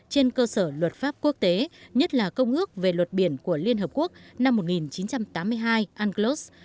trên cơ sở luật pháp quốc tế nhất là công ước về luật biển của liên hợp quốc năm một nghìn chín trăm tám mươi hai unclos